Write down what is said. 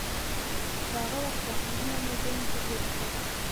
د هغه وخت تصویرونه مې ذهن کې تېر شول.